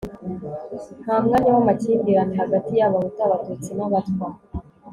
nta mwanya w'amakimbirane hagati y'abahutu, abatutsi n'abatwa